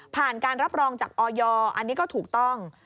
การรับรองจากออยอันนี้ก็ถูกต้อง